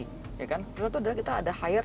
karena itu adalah kita ada hire